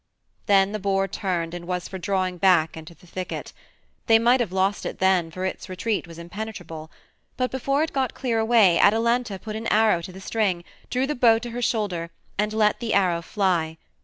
Then the boar turned and was for drawing back into the thicket. They might have lost it then, for its retreat was impenetrable. But before it got clear away Atalanta put an arrow to the string, drew the bow to her shoulder, and let the arrow fly.